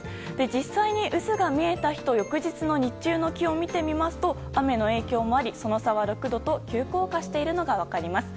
実際に渦が見えた日と翌日の日中の気温を見てみますと雨の影響もあり、その差は６度と急降下しているのが分かります。